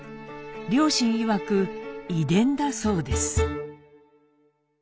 両親いわく遺伝だそうです。